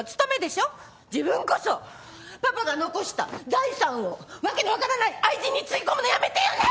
自分こそパパが残した財産を訳の分からない愛人につぎ込むのやめてよね！